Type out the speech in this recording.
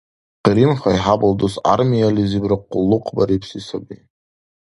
Къиримхай хӀябал дус гӀярмиялизибра къуллукъбарибси саби.